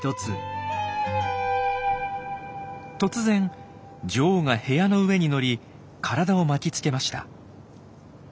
突然女王が部屋の上に乗り体を巻きつけました。